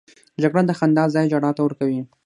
جګړه د خندا ځای ژړا ته ورکوي